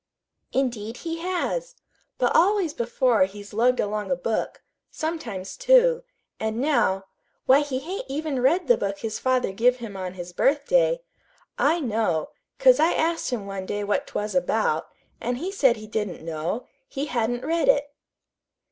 "Indeed he has! But always before he's lugged along a book, sometimes two; an' now why he hain't even read the book his father give him on his birthday. I know, 'cause I asked him one day what 't was about, an' he said he didn't know; he hadn't read it."